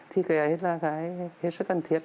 thì cái là cái rất cần thiết